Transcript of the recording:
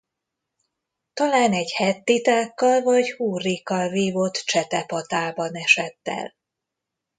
Talán egy hettitákkal vagy hurrikkal vívott csetepatában esett el.